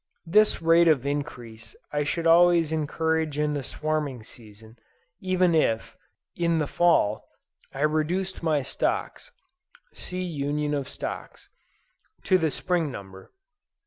This rate of increase I should always encourage in the swarming season, even if, in the Fall, I reduced my stocks (see Union of Stocks) to the Spring number.